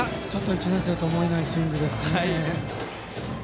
１年生とは思えないスイングですね。